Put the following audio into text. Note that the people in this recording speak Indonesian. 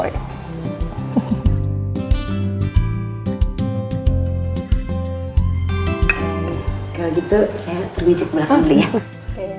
kalo gitu saya pergi siapkan belakang dulu ya